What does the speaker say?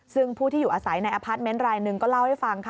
ซึ่งผู้ที่อยู่อาศัยในอพาร์ทเมนต์รายหนึ่งก็เล่าให้ฟังค่ะ